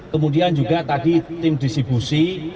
kemudian juga tadi tim distribusi